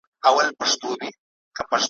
هسي نه چي څوک دي هی کړي په ګورم کي د غوایانو `